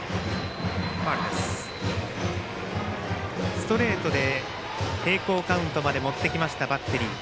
ストレートで並行カウントまで持ってきたバッテリー。